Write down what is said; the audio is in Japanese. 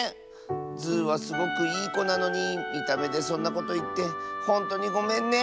ズーはすごくいいこなのにみためでそんなこといってほんとにごめんね！